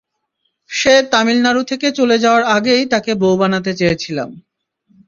সে তামিল নাড়ু থেকে চলে যাওয়ার আগেই তাকে বউ বানাতে চেয়েছিলাম।